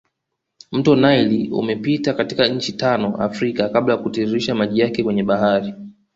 Mto nile umepita katika nchi tano Africa kabla ya kutiririsha maji yake kwenye bahari